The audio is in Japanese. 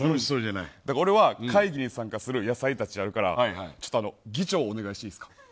俺は会議に参加する野菜たちをやるから議長お願いしていいですか。